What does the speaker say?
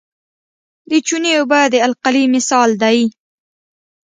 د چونې اوبه د القلي مثال دی.